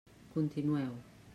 Continueu.